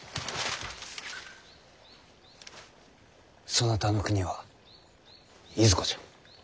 そなたの国はいずこじゃ。